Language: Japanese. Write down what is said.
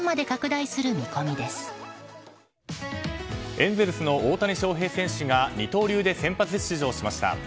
エンゼルスの大谷翔平選手が二刀流で先発出場しました。